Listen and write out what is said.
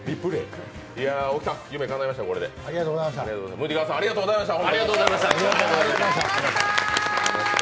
ムディ川さん、ありがとうございました。